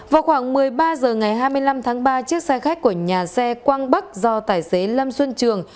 vào khoảng một mươi ba h ngày hai mươi năm tháng ba chiếc xe khách của nhà xe quang bắc do tài xế lâm xuân trường